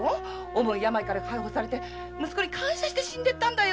重い病から解放されて息子に感謝して死んでったんだよ。